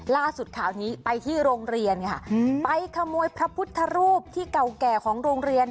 ข่าวนี้ไปที่โรงเรียนค่ะไปขโมยพระพุทธรูปที่เก่าแก่ของโรงเรียน